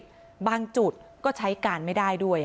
แต่ว่าทางจุดก็ใช้การไม่ได้ด้วย